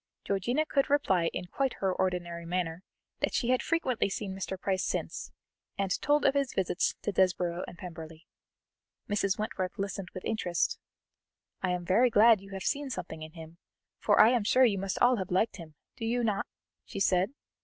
Georgiana could reply in quite her ordinary manner that she had frequently seen Mr. Price since, and told of his visits to Desborough and Pemberley. Mrs. Wentworth listened with interest. "I am very glad you have seen something in him, for I am sure you must all have liked him, do you not?" she said.